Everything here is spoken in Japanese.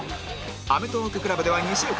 アメトーーク ＣＬＵＢ では２週間